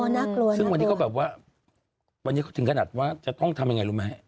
น่ากลัวซึ่งวันนี้ก็แบบว่าวันนี้เขาถึงขนาดว่าจะต้องทำยังไงรู้ไหม